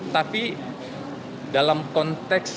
tapi dalam konteks